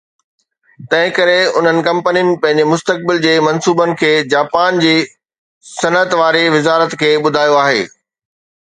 تنهن ڪري انهن ڪمپنين پنهنجي مستقبل جي منصوبن کي جاپان جي صنعت واري وزارت کي ٻڌايو آهي